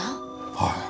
はい。